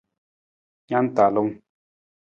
Na na talung.